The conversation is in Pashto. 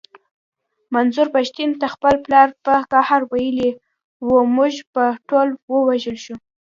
منظور پښتين ته خپل پلار په قهر ويلي و مونږ به ټول ووژل شو.